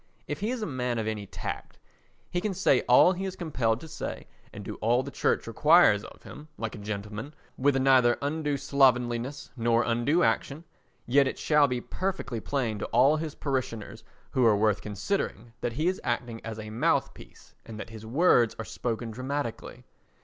If he is a man of any tact, he can say all he is compelled to say and do all the Church requires of him—like a gentleman, with neither undue slovenliness nor undue unction—yet it shall be perfectly plain to all his parishioners who are worth considering that he is acting as a mouthpiece and that his words are spoken dramatically.